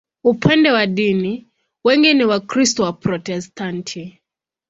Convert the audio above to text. Upande wa dini, wengi ni Wakristo Waprotestanti.